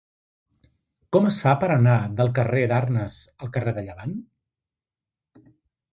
Com es fa per anar del carrer d'Arnes al carrer de Llevant?